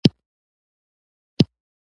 ټپي ته باید تل دعا وکړو